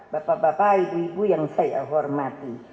bapak bapak ibu ibu yang saya hormati